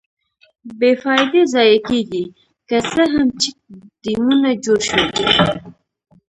بې فایدې ضایع کېږي، که څه هم چیک ډیمونه جوړ شویدي.